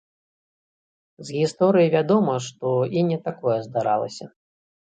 З гісторыі вядома, што і не такое здаралася.